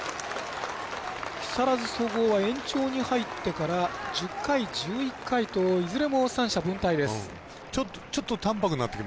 木更津総合は延長に入ってから１０回、１１回といずれも三者凡退です。